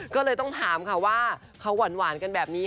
ก็เลยต้องถามค่ะว่าเขาหวานกันแบบนี้